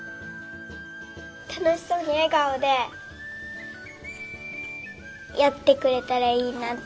たのしそうにえがおでやってくれたらいいなっておもう。